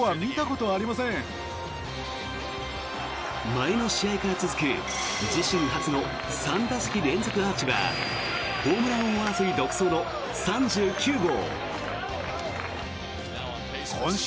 前の試合から続く自身初の３打席連続アーチはホームラン王争い独走の３９号。